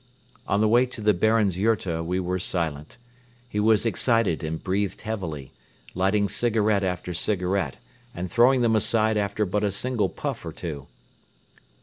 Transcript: On the way to the Baron's yurta we were silent. He was excited and breathed heavily, lighting cigarette after cigarette and throwing them aside after but a single puff or two.